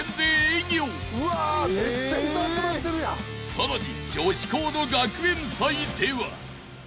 ［さらに］